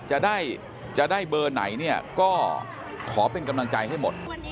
จะได้จะได้เบอร์ไหนเนี่ยก็ขอเป็นกำลังใจให้หมด